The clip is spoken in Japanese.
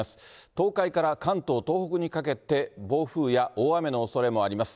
東海から関東、東北にかけて、暴風や大雨のおそれもあります。